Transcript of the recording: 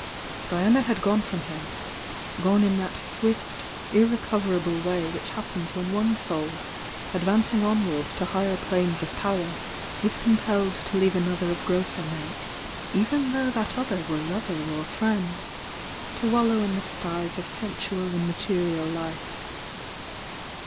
Diana had gone from him,— gone in that swift, ir recoverable way which happens when one soul, ad vancing onward to higher planes of power, is com pelleo to leave another of grosser make (even though that other were lover or friend) to wallow in the styes of sensual and material life.